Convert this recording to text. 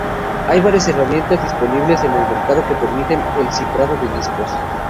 Hay varias herramientas disponibles en el mercado que permiten el cifrado de discos.